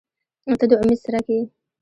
• ته د امید څرک یې.